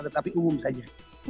tetapi umum saja